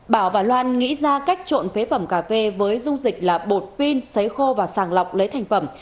bảo và loan nghĩ ra cách trộn phế phẩm cà phê với dung dịch là bột pin xấy khô và sàng lọc lấy thành phẩm